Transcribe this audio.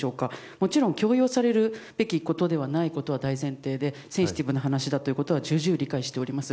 もちろん強要されるべきことではないことは大前提でセンシティブな話であることは重々承知しております。